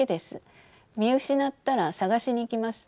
見失ったら探しに行きます。